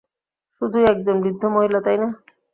শুধুই একজন্য বৃদ্ধ মহিলা, তাই না?